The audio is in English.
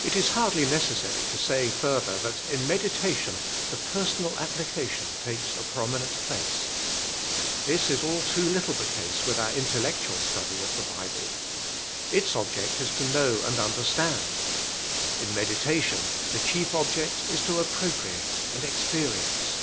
It is hardly necessary to say further that in meditation the personal application takes a promi nent place. This is all too little the case with our intellectual study of the Bible. Its object is to know and understand. In meditation the chief object is to appropriate and experience.